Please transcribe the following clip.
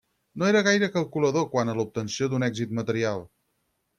No era gaire calculador quant a l'obtenció d'un èxit material.